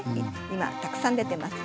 今たくさん出てます。